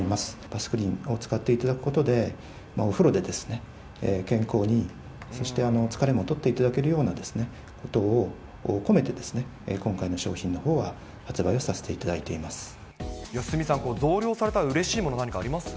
バスクリンを使っていただくことで、お風呂で健康に、そして、疲れも取っていただけるようなことを込めて、今回の商品のほうは鷲見さん、増量されたらうれしいもの、何かあります？